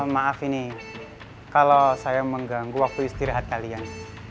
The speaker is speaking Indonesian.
maaf ini kalau saya mengganggu waktu istirahat kalian